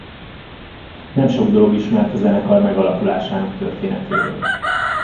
Nem sok dolog ismert a zenekar megalakulásának történetéről.